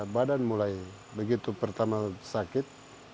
badan mulai begitu pertama sakit